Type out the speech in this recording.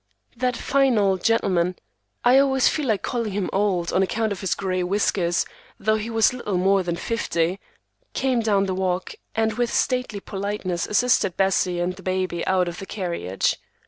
That fine old gentleman—I always feel like calling him old on account of his gray whiskers, though he was little more than fifty—came down the walk and with stately politeness assisted Bessie and the baby out of the carriage.